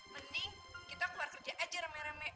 mending kita keluar kerja aja remeh remeh